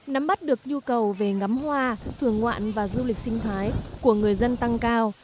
nắm bắt được nhu cầu về ngắm hoa thường ngoạn và du lịch sinh thái của người dân tăng cao